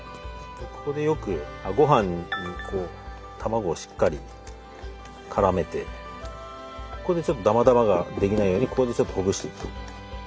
ここでよくごはんに卵をしっかり絡めてちょっとだまだまが出来ないようにここでちょっとほぐしていくと。